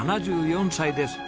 ７４歳です。